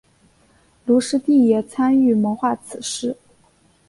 卢师谛也参与谋划此事。